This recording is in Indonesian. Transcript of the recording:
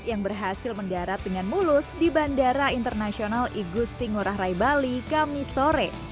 yang berhasil mendarat dengan mulus di bandara internasional igusti ngurah rai bali kamisore